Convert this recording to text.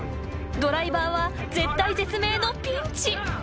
［ドライバーは絶体絶命のピンチ］